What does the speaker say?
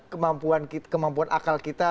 kemampuan akal kita